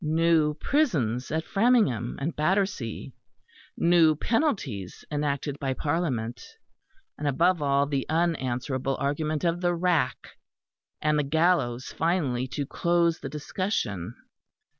New prisons at Framingham and Battersea; new penalties enacted by Parliament; and, above all, the unanswerable argument of the rack, and the gallows finally to close the discussion.